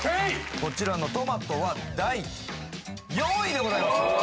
こちらのトマトは第４位でございました